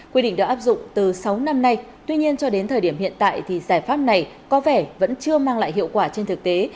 quy định đã áp dụng từ sáu năm nay tuy nhiên cho đến thời điểm hiện tại thì giải pháp này có vẻ vẫn chưa mang lại hiệu quả trên thực tế